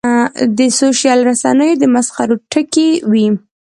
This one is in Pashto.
د سوشل رسنیو د مسخرو ټکی وي.